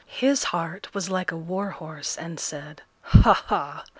His heart was like a war horse, and said, Ha, ha!